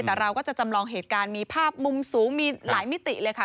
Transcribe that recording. แต่เราก็จะจำลองเหตุการณ์มีภาพมุมสูงมีหลายมิติเลยค่ะ